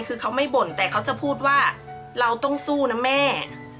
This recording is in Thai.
คือเขาไม่บ่นแต่เขาจะพูดว่าเราต้องสู้นะแม่